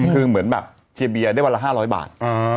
คือเหมือนแบบเชียร์เบียได้วันละห้าร้อยบาท